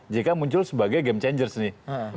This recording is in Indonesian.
jk muncul sebagai game changers nih